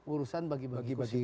urusan bagi bagi kursi